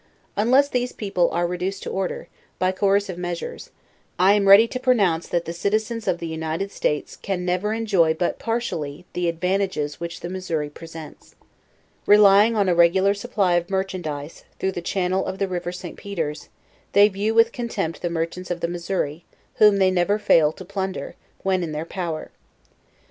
Unless these people are reduced to order> by coercive measures, I am ready to pronounce that the citizens of the United States can never enjoy but partially the advantages which the Missouri presents. Relying on a regular supply of mer chandise, through the channel of the river St. Peters, they view with contempt the merchants of the Missouri, whom they never fail to plunder, when in their power. .